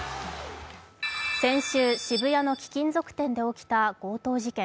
先週、渋谷の貴金属店で起きた強盗事件。